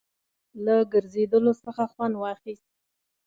له ګرځېدلو څخه خوند واخیست.